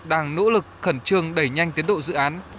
đang nỗ lực khẩn trương đẩy nhanh tiến độ dự án